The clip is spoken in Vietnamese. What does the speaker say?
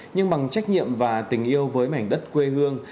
nhưng bằng trách nhiệm và tình yêu với mảnh đất quê hương